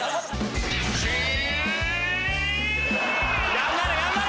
頑張れ頑張れ！